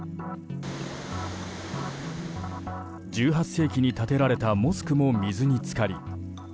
１８世紀に建てられたモスクも水に浸かり